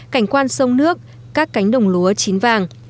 cảnh quan sông nước các cánh đồng lúa chín vàng